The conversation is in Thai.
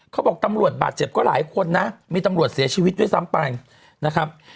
เขาบอกตำรวจบาดเจ็บก็หลายคนนะมีตำรวจเสียชีวิตด้วยซ้ำไปนะครับ